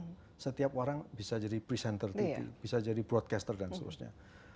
breaking news reporter setiap orang bisa jadi presenter tv bisa jadi broadcaster dan sebagainya